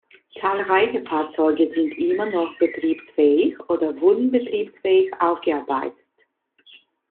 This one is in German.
Zahlreiche Fahrzeuge sind immer noch betriebsfähig oder wurden betriebsfähig aufgearbeitet.